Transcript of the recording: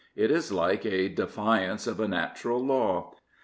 It is like a defiance of a natural law.